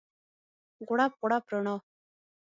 غوړپ، غوړپ رڼا